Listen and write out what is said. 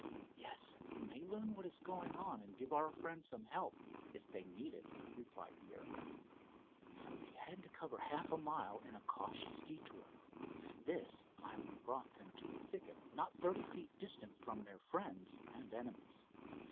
"Yes, we may learn what is going on and give our friends some help, if they need it," replied the airman. They had to cover half a mile in a cautious detour. This finally brought them to a thicket not thirty feet distant from their friends and enemies.